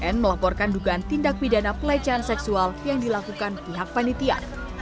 n melaporkan dugaan tindak pidana pelecehan seksual yang dilakukan pihak panitia